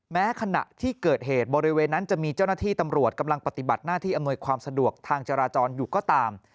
ขณะที่เกิดเหตุบริเวณนั้นจะมีเจ้าหน้าที่ตำรวจกำลังปฏิบัติหน้าที่อำนวยความสะดวกทางจราจรอยู่ก็ตาม